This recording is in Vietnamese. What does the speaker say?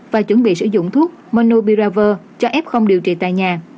và chuẩn bị sử dụng thuốc monobiraver cho f điều trị tại nhà